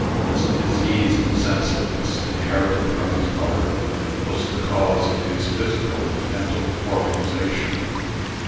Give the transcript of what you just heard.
This diseased sensitiveness, inherited from his mother, was the curse of his physical and mental organization.